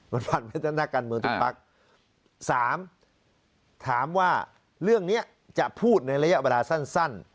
มันผ่านไปทั้งนักการเมืองทุกพักสามถามว่าเรื่องนี้จะพูดในระยะเวลาสั้น